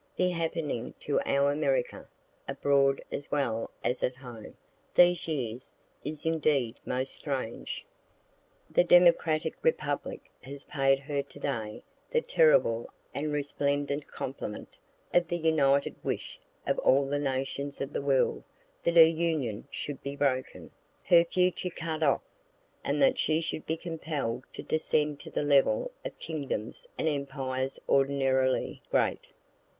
The happening to our America, abroad as well as at home, these years, is indeed most strange. The democratic republic has paid her today the terrible and resplendent compliment of the united wish of all the nations of the world that her union should be broken, her future cut off, and that she should be compell'd to descend to the level of kingdoms and empires ordinarily great.